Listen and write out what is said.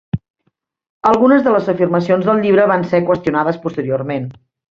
Algunes de les afirmacions del llibre van ser qüestionades posteriorment.